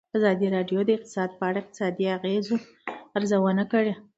ازادي راډیو د اقتصاد په اړه د اقتصادي اغېزو ارزونه کړې.